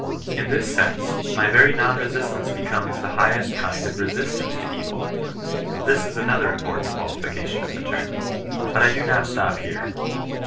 In this sense my very non resistance becomes the highest kind of resistance to evil. This is another important qualification of the term. But I do not stop here.